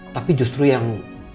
tapi justru yang